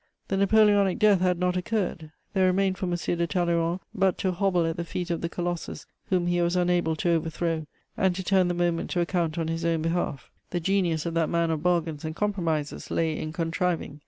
The Napoleonic death had not occurred; there remained for M. de Talleyrand but to hobble at the feet of the colossus whom he was unable to overthrow, and to turn the moment to account on his own behalf: the genius of that man of bargains and compromises lay in contriving.